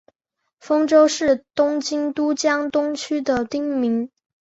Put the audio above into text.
丰洲是东京都江东区的町名。